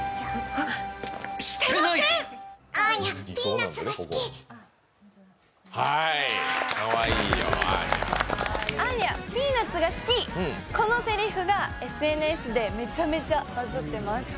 アーニャ、ピーナツが好き、このセリフがＳＮＳでめちゃめちゃバズってます。